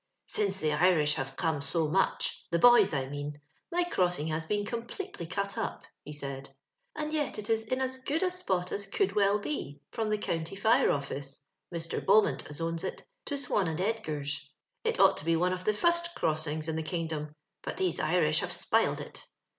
Since the Irish have come so much — the boys, I mean — my crossing has been com pletely cut up," he said ;and yet it is in as good a spot as could well be, from the Cotmty Fire Office (Mr. Beaimiont as owns it) to Swan and Edgai 's. It ought to be one of the fust crossings in the kingdom, but these Irish have spiled it.